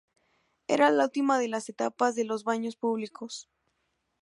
Era la última de las etapas de los baños públicos.